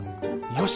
よし！